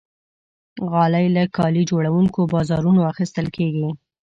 غالۍ له کالي جوړونکي بازارونو اخیستل کېږي.